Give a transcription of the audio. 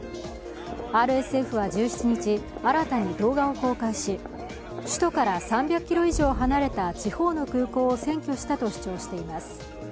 ＲＳＦは１７日、新たに動画を公開し、首都から３００ｋｍ以上離れた地方の空港を占拠したと主張しています。